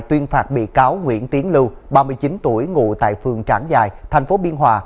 xin phạt bị cáo nguyễn tiến lưu ba mươi chín tuổi ngủ tại phường trảng dài tp biên hòa